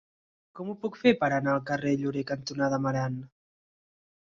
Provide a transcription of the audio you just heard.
Com ho puc fer per anar al carrer Llorer cantonada Amarant?